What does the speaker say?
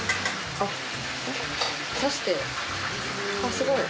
あっすごい。